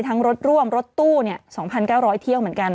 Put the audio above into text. รถร่วมรถตู้๒๙๐๐เที่ยวเหมือนกัน